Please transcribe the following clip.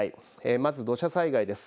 まず土砂災害です。